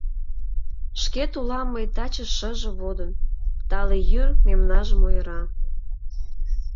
Шкет улам мый таче шыже водын, Тале йӱр мемнажым ойыра.